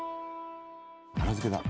奈良漬けだ。